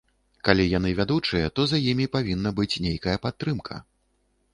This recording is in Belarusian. Калі яны вядучыя, то за імі павінна быць нейкая падтрымка.